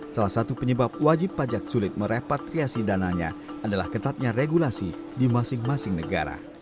salah satu penyebab wajib pajak sulit merepatriasi dananya adalah ketatnya regulasi di masing masing negara